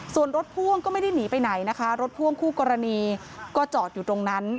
ส่วนรถพ่วงก็ไม่ได้หนีไปไหนนะคะรถพ่วงคู่กรณีก็จอดอยู่ตรงนั้น